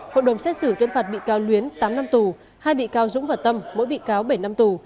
hội đồng xét xử tuyên phạt bị cáo luyến tám năm tù hai bị cáo dũng và tâm mỗi bị cáo bảy năm tù